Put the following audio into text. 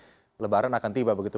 apakah lebaran akan tiba begitu